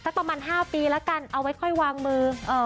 ประมาณ๕ปีแล้วกันเอาไว้ค่อยวางมือ